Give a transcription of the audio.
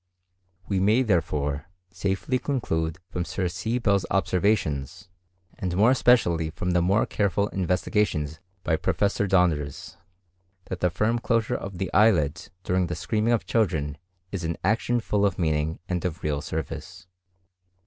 We may, therefore, safely conclude from Sir C. Bell's observations, and more especially from the more careful investigations by Professor Donders, that the firm closure of the eyelids during the screaming of children is an action full of meaning and of real service.